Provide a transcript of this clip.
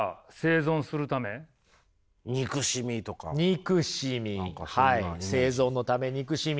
憎しみ生存のため憎しみ。